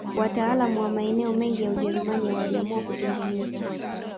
Watawala wa maeneo mengi ya Ujerumani waliamua kutengeneza